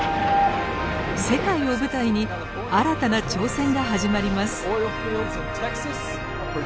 世界を舞台に新たな挑戦が始まります。